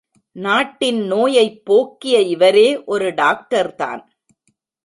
நாட்டின் நோயைப் போக்கிய இவரே ஒரு டாக்டர்தான்.